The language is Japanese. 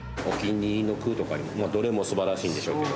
どれも素晴らしいんでしょうけど。